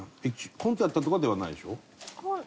コントやったとかではないでしょ？